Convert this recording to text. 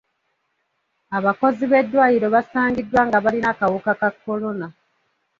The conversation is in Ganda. Abakozi b'eddwaliro basangiddwa nga balina akawuka ka kolona.